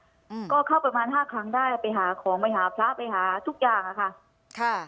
อืมก็เข้าประมาณห้าครั้งได้ไปหาของไปหาพระไปหาทุกอย่างอ่ะค่ะ